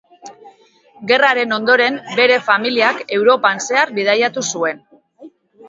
Gerraren ondoren bere familiak Europan zehar bidaiatu zuen.